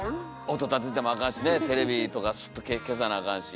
音立ててもあかんしねテレビとかスッと消さなあかんし。